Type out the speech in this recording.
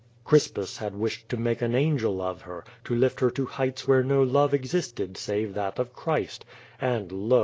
Crispus had wished QUO VADI8. 217 to make an angel of her, to lift her to heights where no love existed save that of Christ. And lo!